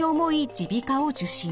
耳鼻科を受診。